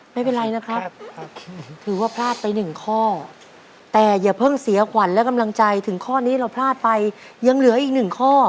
ไม่เป็นไรนะครับถือว่าพลาดไปหนึ่งข้อแต่อย่าเพิ่งเสียขวัญและกำลังใจถึงข้อนี้เราพลาดไปยังเหลืออีกหนึ่งข้อ